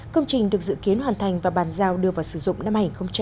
công trình được dự kiến hoàn thành và bàn giao đưa vào sử dụng năm hai nghìn hai mươi